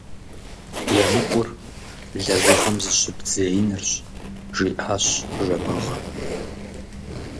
ЕмыкӀур лэжьыгъэм зыщыбдзеинырщ, – жиӀащ Жэбагъы.